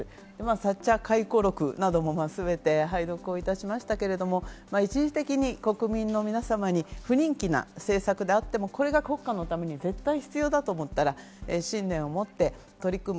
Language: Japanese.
サッチャー回顧録なども、すべて拝読いたしましたけれど、一時的に国民の皆様に不人気な政策であっても、これが国家のために絶対必要だと思ったら信念を持って取り組む。